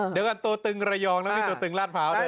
เดี๋ยวก่อนตัวตึงระยองนะตัวตึงราชพร้าว